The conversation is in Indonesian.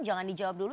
jangan dijawab dulu